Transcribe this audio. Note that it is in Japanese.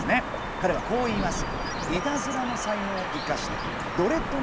彼はこう言います。